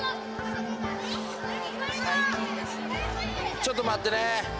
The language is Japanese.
ちょっと待ってね。